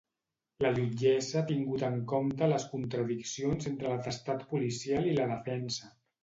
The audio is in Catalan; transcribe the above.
La jutgessa ha tingut en compte les contradiccions entre l'atestat policial i la defensa.